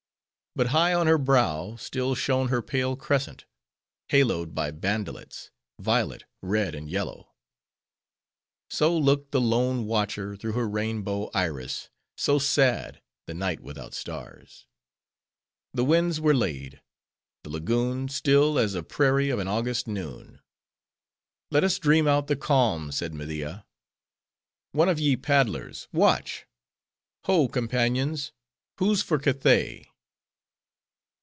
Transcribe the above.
But high on her brow, still shone her pale crescent; haloed by bandelets—violet, red, and yellow. So looked the lone watcher through her rainbow iris; so sad, the night without stars. The winds were laid; the lagoon, still, as a prairie of an August noon. "Let us dream out the calm," said Media. "One of ye paddlers, watch: Ho companions! who's for Cathay?"